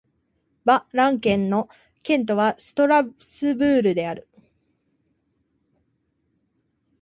バ＝ラン県の県都はストラスブールである